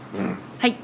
はい。